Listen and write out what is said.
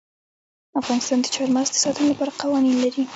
افغانستان د چار مغز د ساتنې لپاره قوانین لري.